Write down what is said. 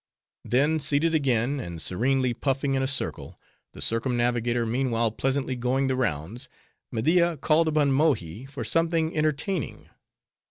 Then seated again, and serenely puffing in a circle, the circumnavigator meanwhile pleasantly going the rounds, Media called upon Mohi for something entertaining.